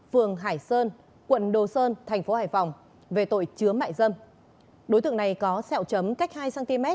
phường hải sơn quận đồ sơn thành phố hải phòng về tội chứa mại dâm đối tượng này có sẹo chấm cách hai cm